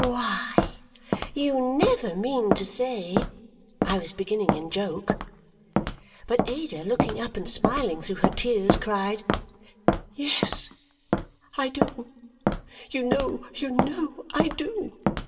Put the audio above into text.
"Why, you never mean to say " I was beginning in joke. But Ada, looking up and smiling through her tears, cried, "Yes, I do! You know, you know I do!"